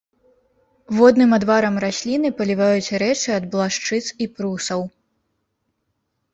Водным адварам расліны паліваюць рэчы ад блашчыц і прусаў.